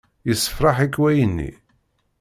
Yessefṛaḥ-ik wayenni?